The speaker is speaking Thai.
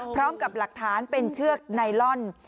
พร้อมกับหลักฐานเป็นเชือกไนลอน